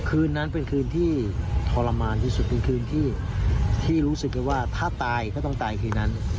คืนนั้นเป็นคืนที่ทรมานที่สุดเป็นคืนที่รู้สึกได้ว่าถ้าตายก็ต้องตายคืนนั้น